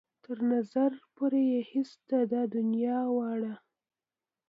تر نظر پورې يې هېڅ ده د دنيا واړه.